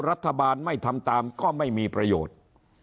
รัฐบาลไม่ทำตามก็ไม่มีประโยชน์